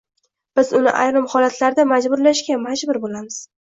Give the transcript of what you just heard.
biz uni ayrim holatlarda majburlashga... majbur bo‘lamiz.